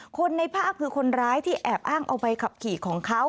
คนในภาพคือคนร้ายที่แอบอ้างเอาใบขับขี่ของเขา